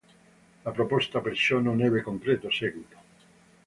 La proposta perciò non ebbe concreto seguito.